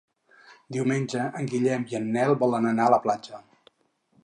Diumenge en Guillem i en Nel volen anar a la platja.